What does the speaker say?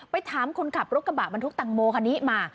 ถามคนขับรถกระบะบรรทุกตังโมคันนี้มา